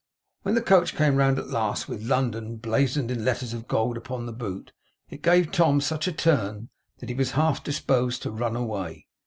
When the coach came round at last with 'London' blazoned in letters of gold upon the boot, it gave Tom such a turn, that he was half disposed to run away.